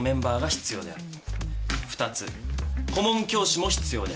二つ顧問教師も必要である。